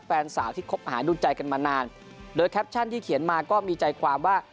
แฟนสาวที่คบหาดูใจกันมานานโดยแคปชั่นที่เขียนมาก็มีใจความว่า